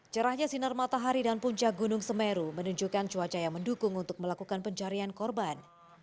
cerahnya sinar matahari dan puncak gunung semeru menunjukkan cuaca yang mendukung untuk melakukan pencarian korban